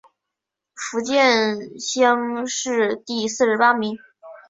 福建乡试第四十八名。